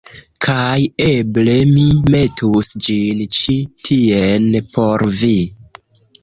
kaj eble mi metus ĝin ĉi tien por vi.